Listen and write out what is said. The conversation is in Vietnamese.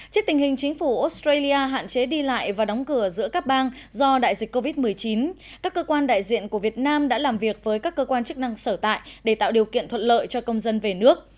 trước tình hình chính phủ australia hạn chế đi lại và đóng cửa giữa các bang do đại dịch covid một mươi chín các cơ quan đại diện của việt nam đã làm việc với các cơ quan chức năng sở tại để tạo điều kiện thuận lợi cho công dân về nước